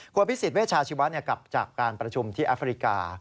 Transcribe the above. คุณพิสิทธิเวชาชีวะกลับจากการประชุมที่แอฟริกา